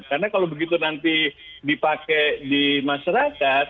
karena kalau begitu nanti dipakai di masyarakat